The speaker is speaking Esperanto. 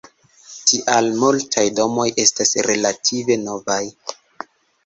Tial multaj domoj estas relative novaj.